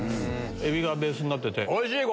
エビがベースになってておいしい！